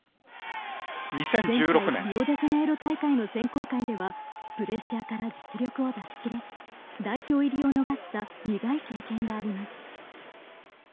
前回、リオデジャネイロ大会の選考会ではプレッシャーから実力を出し切れず代表入りを逃した苦い経験があります。